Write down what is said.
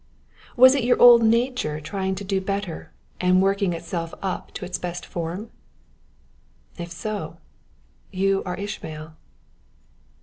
Was it your old nature trying to The Two Seeds. 9 do better, and working itself up to its best form ? If so, you are Ishmael.